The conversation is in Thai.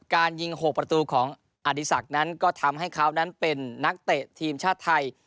การยิง๖ประตูของอดีศักดิ์นั้นก็ทำให้เขานั้นเป็นนักเตะทีมชาติไทย